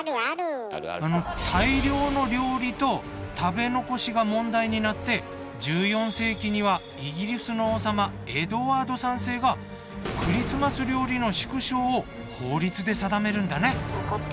大量の料理と食べ残しが問題になって１４世紀にはイギリスの王様エドワード３世がクリスマス料理の縮小を法律で定めるんだね。